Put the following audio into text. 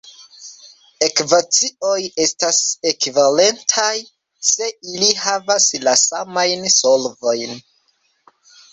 Ekvacioj estas "ekvivalentaj", se ili havas la samajn solvojn.